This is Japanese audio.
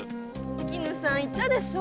お絹さん言ったでしょ。